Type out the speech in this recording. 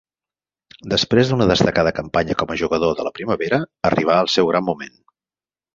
Després d'una destacada campanya com a jugador de la Primavera, arribà el seu gran moment.